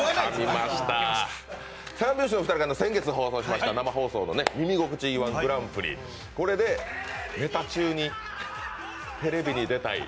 三拍子の２人は先月生放送しました「耳心地いい−１グランプリ」でこれで、ネタ中にテレビに出たい！